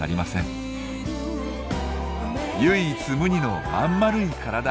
唯一無二のまんまるい体。